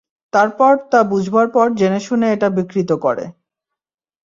তারপর তা বুঝবার পর জেনে-শুনে এটা বিকৃত করে।